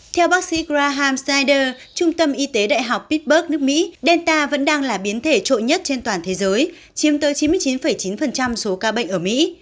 theo bác sĩ graham syder trung tâm y tế đại học pitberg nước mỹ delta vẫn đang là biến thể trội nhất trên toàn thế giới chiếm tới chín mươi chín chín số ca bệnh ở mỹ